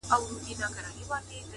پرلپسې هڅه خنډونه کمزوري کوي؛